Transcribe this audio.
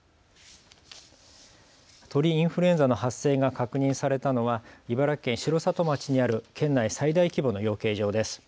鳥インフルエンザの発生が確認されたのは茨城県城里町にある県内最大規模の養鶏場です。